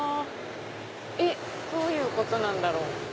どういうことなんだろう？